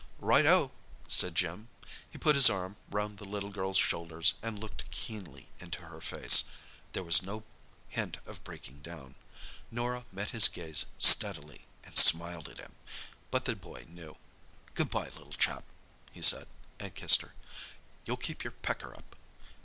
"Right oh!" said Jim. He put his arm round the little girl's shoulders and looked keenly into her face. There was no hint of breaking down. Norah met his gaze steadily and smiled at him. But the boy knew. "Good bye, little chap," he said, and kissed her. "You'll keep your pecker up?"